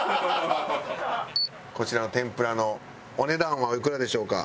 こちらの天ぷらのお値段はおいくらでしょうか？